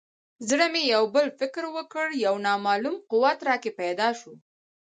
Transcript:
زړه مې یو بل فکر وکړ یو نامعلوم قوت راکې پیدا شو.